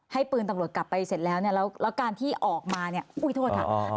ให้ปืนตำรวจกลับไปเสร็จแล้วเนี่ยแล้วการที่ออกมาเนี่ยอุ้ยโทษค่ะ